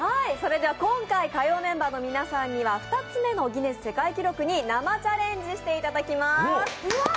今回火曜メンバーの皆さんには２つ目の世界ギネス記録に生チャレンジしていただきます。